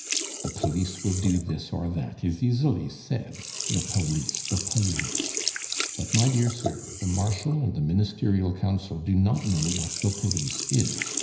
'The Police will do this or that,' is easily said; the Police, the Police! But, my dear sir, the Marshal and the Ministerial Council do not know what the Police is.